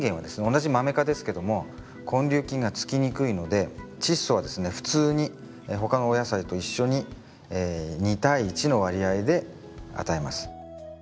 同じマメ科ですけども根粒菌がつきにくいのでチッ素はですね普通に他のお野菜と一緒に２対１の割合で与えます。